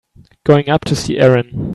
Going up to see Erin.